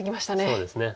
そうですね